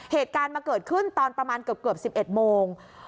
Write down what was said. เหตุการณ์มันเกิดขึ้นตอนประมาณเกือบ๑๑โมง